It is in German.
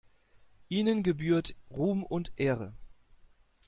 Ihnen gebührt Ruhm und Ehre.